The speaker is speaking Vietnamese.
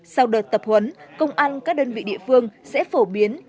sau đợt tập huấn công an các đơn vị địa phương sẽ phổ biến